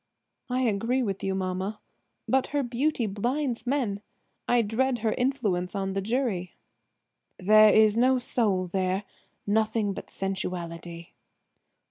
"I agree with you, mamma. But her beauty blinds men. I dread her influence on the jury." "There is no soul there–nothing but sensuality."